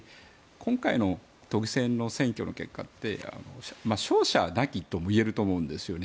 今回の都議選の選挙の結果って勝者なきとも言えると思うんですよね。